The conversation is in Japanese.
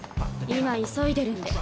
今急いでるんで。